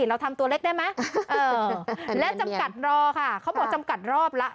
เราทำตัวเล็กได้ไหมและจำกัดรอค่ะเขาบอกจำกัดรอบละ